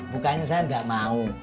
bukannya saya gak mau